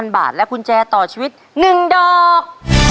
๐บาทและกุญแจต่อชีวิต๑ดอก